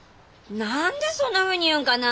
何でそんなふうに言うんかな。